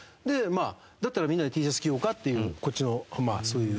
だったらみんなでＴシャツ着ようかっていうこっちのそういう。